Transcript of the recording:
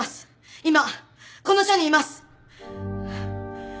今この署にいます。